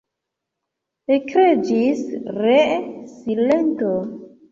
Ekreĝis ree silento.